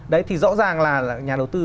đấy thì rõ ràng là nhà đầu tư